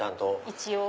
一応。